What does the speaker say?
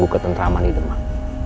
buket tenteraman di demak